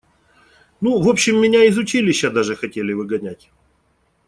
Ну, в общем, меня из училища даже хотели выгонять.